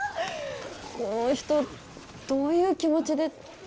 この人どういう気持ちで。